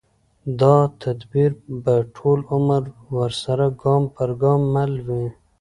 دا تدبیر به ټول عمر ورسره ګام پر ګام مل وي